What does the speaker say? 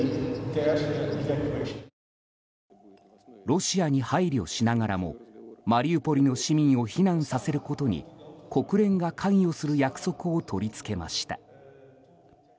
ロシアに配慮しながらもマリウポリの市民を避難させることに国連が関与する約束を取り付けました。